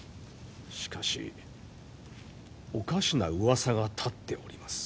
しかしおかしなうわさが立っております。